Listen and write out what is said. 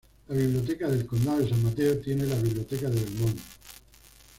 La Biblioteca del Condado de San Mateo tiene la Biblioteca de Belmont.